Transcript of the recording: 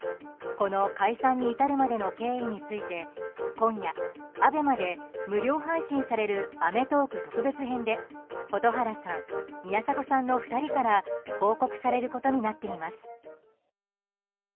この解散に至るまでの経緯について今夜、ＡＢＥＭＡで無料配信される「アメトーーク特別編」で蛍原さん、宮迫さんの２人から報告されることになっています。